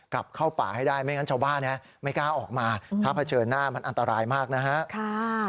กลับเข้าป่าให้ได้ไม่งั้นชาวบ้านไม่กล้าออกมาถ้าเผชิญหน้ามันอันตรายมากนะฮะ